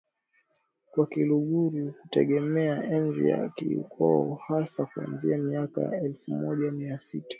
kwa Kiluguru kutegemea enzi ya Kiukoo hasa kuanzia miaka ya elfu moja mia sita